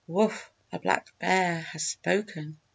Wough! a Black Bear has spoken!"